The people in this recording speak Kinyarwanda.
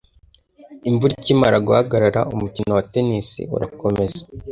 Imvura ikimara guhagarara, umukino wa tennis urakomeza.